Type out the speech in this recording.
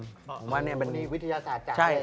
สมสมนี้วิทยาศาสตร์จังแะ